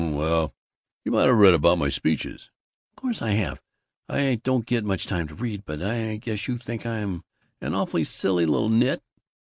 "Um, well You might have read about my speeches." "Course I have! I don't get much time to read but I guess you think I'm an awfully silly little nit!"